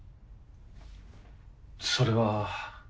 それは。